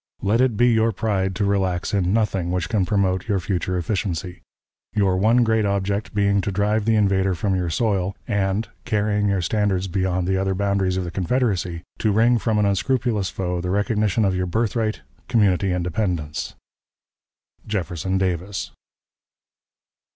Let it be your pride to relax in nothing which can promote your future efficiency; your one great object being to drive the invader from your soil, and, carrying your standards beyond the outer boundaries of the Confederacy, to wring from an unscrupulous foe the recognition of your birthright, community independence. "JEFFERSON DAVIS."